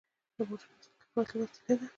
بوټونه د تلو راتلو وسېله ده.